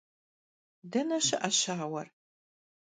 Dene şı'e şauer?